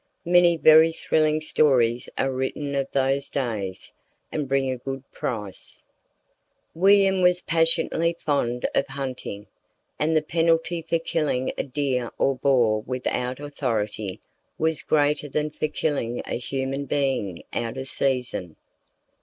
Many very thrilling stories are written of those days, and bring a good price. William was passionately fond of hunting, and the penalty for killing a deer or boar without authority was greater than for killing a human being out of season.